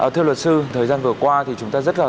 thưa luật sư thời gian vừa qua thì chúng ta rất là